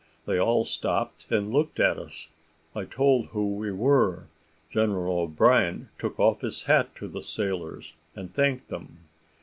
They all stopped and looked at us. I told who we were. General O'Brien took off his hat to the sailors, and thanked them.